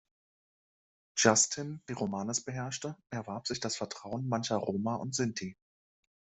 Justin, die Romanes beherrschte, erwarb sich das Vertrauen mancher Roma und Sinti.